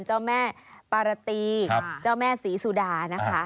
เจ้าแม่ปารตีเจ้าแม่ศรีสุดานะคะ